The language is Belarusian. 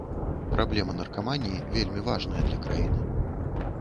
Праблема наркаманіі вельмі важная для краіны.